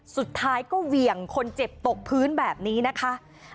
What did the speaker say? สุดท้ายก็เหวี่ยงคนเจ็บตกพื้นแบบนี้นะคะ